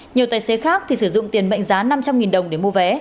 nhiều tài xế khác thì sử dụng tiền mệnh giá năm trăm linh đồng để mua vé